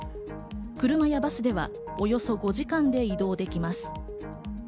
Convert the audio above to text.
車やバスではおよそ５時間で移動できます。